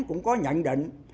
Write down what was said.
cũng có nhận định